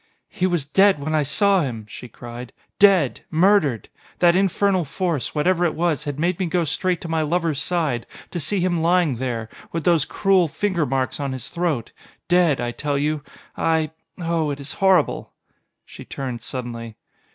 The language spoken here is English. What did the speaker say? "He was dead when I saw him!" she cried. "Dead! Murdered! That infernal force, what ever it was, had made me go straight to my lover's side, to see him lying there, with those cruel finger marks on his throat dead, I tell you, I oh, it is horrible!" She turned suddenly.